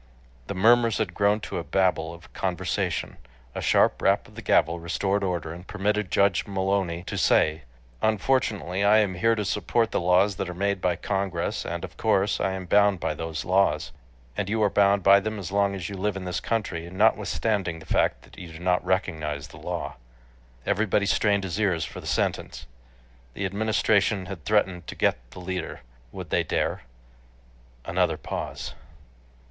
The murmurs had grown to a babel of conversation. A sharp rap of the gavel restored order and permitted Judge Mullowny to say: "Unfortunately, I am here to support the laws that are made by Congress, and, of course, I am bound by those laws; and you are bound by them as long as you live in this country, notwithstanding the fact that you do not recognize the law." Everybody strained his ears for the sentence. The Administration had threatened to "get" the leader. Would they dare? Another pause!